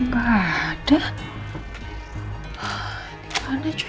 pasti ada disitu